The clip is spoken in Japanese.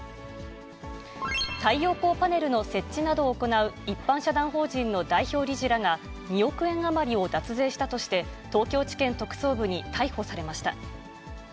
太陽光パネルの設置などを行う一般社団法人の代表理事らが、２億円余りを脱税したとして、東京地検特捜部に逮捕されました。